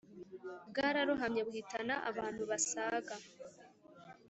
Bwararohamye buhitana abantu basaga